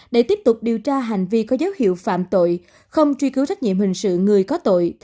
để tiếp tục điều tra hành vi có dấu hiệu phạm tội không truy cứu trách nhiệm hình sự người có tội